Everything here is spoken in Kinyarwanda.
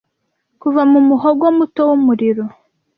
kuva mu muhogo muto w'umuriro